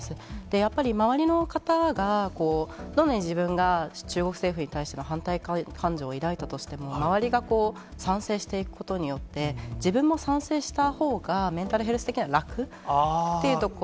やっぱり、周りの方がどのように自分が中国政府に対しての反対感情を抱いたとしても、周りがこう、賛成していくことによって、自分も賛成したほうがメンタルヘルス的には楽っていうところ。